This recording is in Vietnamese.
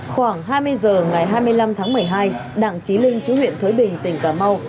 khoảng hai mươi h ngày hai mươi năm tháng một mươi hai đảng chí linh chủ huyện thới bình tỉnh cà mau